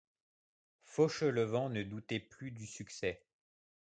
Fauchelevent ne doutait plus du succès.